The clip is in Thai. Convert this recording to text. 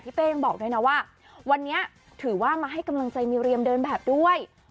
เป้ยังบอกด้วยนะว่าวันนี้ถือว่ามาให้กำลังใจมีเรียมเดินแบบด้วย